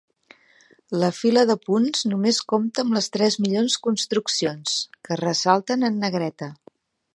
La fila de punts només compta les tres millors construccions, que es ressalten en negreta.